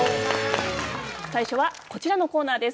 最初はこちらのコーナーです。